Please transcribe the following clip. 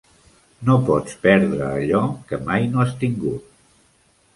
No pots perdre allò que mai no has tingut.